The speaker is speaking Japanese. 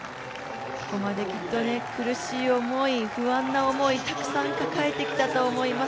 ここまできっと苦しい思い、不安な思い、たくさん抱えてきたと思います。